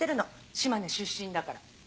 島根出身だから。